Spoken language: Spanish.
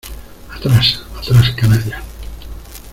¡ atrás!... ¡ atrás, canalla !